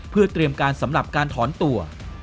เพื่อเตรียมการสำหรับการถอนตัว